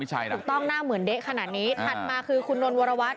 ไม่ใช่นะต้องหน้าเหมือนเดะขนาดนี้ถัดมาคือคุณโน้นวรวรวัส